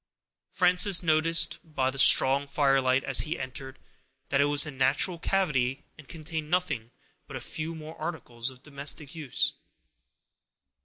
Frances noticed, by the strong firelight, as he entered, that it was a natural cavity, and contained nothing but a few more articles of domestic use.